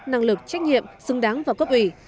năng lực trách nhiệm xứng đáng vào cấp ủy